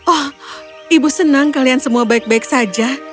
oh ibu senang kalian semua baik baik saja